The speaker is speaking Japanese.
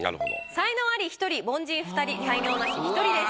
才能アリ１人凡人２人才能ナシ１人です。